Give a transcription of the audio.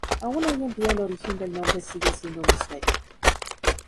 Aún hoy en día el origen del nombre sigue siendo un misterio.